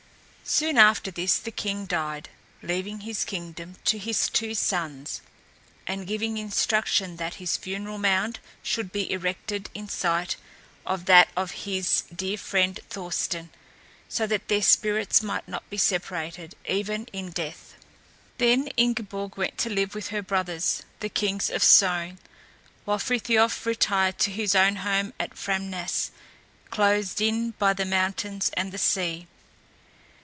Soon after this the king died, leaving his kingdom to his two sons and giving instructions that his funeral mound should be erected in sight of that of his dear friend Thorsten, so that their spirits might not be separated even in death. Then Ingeborg went to live with her brothers, the Kings of Sogn, while Frithiof retired to his own home at Framnas, closed in by the mountains and the sea.